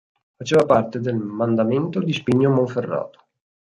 Faceva parte del mandamento di Spigno Monferrato.